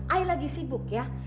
ay lagi sibuk ya